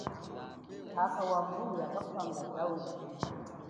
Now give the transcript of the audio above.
Khakha, wa mbuya kafanga zau lialize.